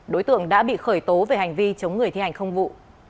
đối tượng đã bị khởi tố về hành vi chống người thi hành công vụ